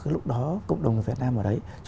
lúc đó cộng đồng việt nam ở đấy